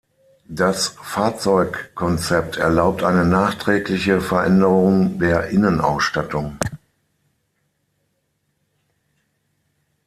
Das Fahrzeugkonzept erlaubt eine nachträgliche Veränderung der Innenausstattung.